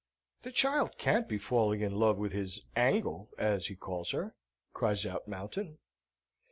"The child can't be falling in love with his angle, as he calls her!" cries out Mountain.